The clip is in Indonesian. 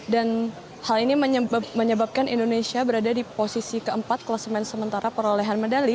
dan hal ini menyebabkan indonesia berada di posisi keempat klasemen sementara perolehan medali